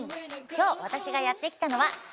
今日私がやって来たのはこちら。